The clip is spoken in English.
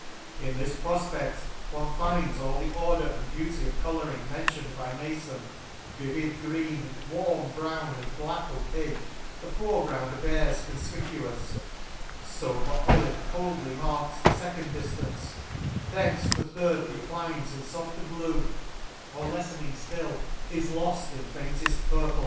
— In this profpedl one finds all the or der and beauty of colouring mentioned by Mafon: ——" Vivid green, " Warm brown, and black opake, the foreground bears, " Conlpicuous; — fober olive coldly marks '* The fecond diftance ; thence the third declines " In fofter blue, or lefs'ning ftill, is loft " In fainted purple."